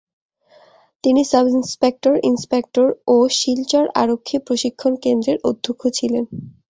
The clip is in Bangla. তিনি সাব-ইন্সপেক্টর, ইন্সপেক্টর ও শিলচর আরক্ষী প্রশিক্ষন কেন্দ্রের অধ্যক্ষ ছিলেন।